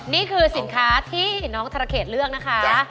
นี่คือสินค้าที่น้องธรเขตเลือกนะคะ